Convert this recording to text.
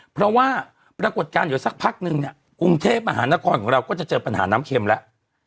เพราะว่าปรากฏการณ์อยู่สักพักนึงเนี่ยกรุงเทพมหานครของเราก็จะเจอปัญหาน้ำเข็มแล้ว